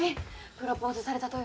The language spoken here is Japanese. プロポーズされたとよ